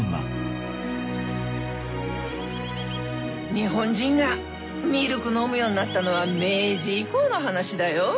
日本人がミルク飲むようになったのは明治以降の話だよ。